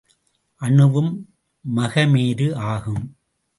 அணுவும் மகமேரு ஆகும்.